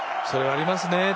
それはありますね、